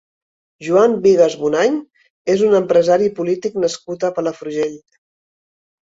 Joan Vigas Bonany és un empresari i polític nascut a Palafrugell.